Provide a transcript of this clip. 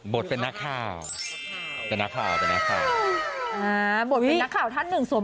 บทเป็นอะไรครับเป็น